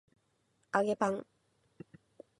揚げパン